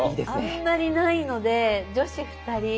あんまりないので女子ふたり。